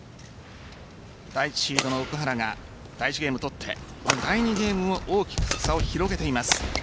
第１シードの奥原が第１ゲームを取って第２ゲームも大きく差を広げています。